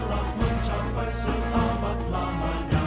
telah mencapai seabad lamanya